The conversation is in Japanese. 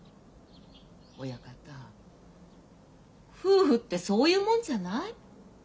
親方夫婦ってそういうもんじゃない？